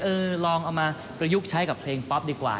ลองเอามาประยุกต์ใช้กับเพลงป๊อปดีกว่า